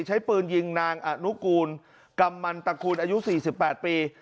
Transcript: ใช้ปืนยิงนางออนุกูลกรรมันตระกูลอายุสี่สิบแปดปี